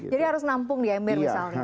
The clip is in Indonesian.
jadi harus nampung di ember misalnya